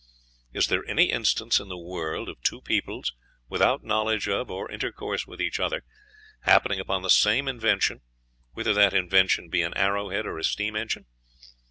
Is there any instance in the world of two peoples, without knowledge of or intercourse with each other, happening upon the same invention, whether that invention be an arrow head or a steam engine?